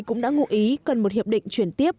cũng đã ngụ ý cần một hiệp định chuyển tiếp